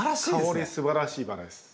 香りすばらしいバラです。